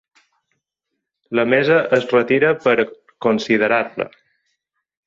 La mesa es retira per a considerar-la.